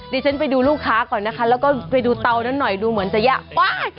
ดิฉันไปดูลูกค้าก่อนนะคะแล้วก็ไปดูเตานั้นหน่อยดูเหมือนจะยากไป